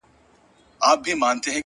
نړوم غرونه د تمي! له اوږو د ملایکو!